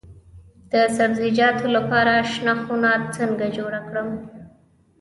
د سبزیجاتو لپاره شنه خونه څنګه جوړه کړم؟